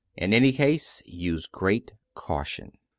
In any case, use great caution."